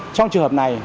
trong trường hợp này